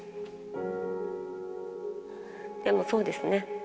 でもそうですね。